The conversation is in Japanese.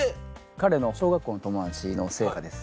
彼の小学校の友達の誠果です。